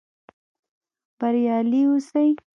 بریالي اوسئ؟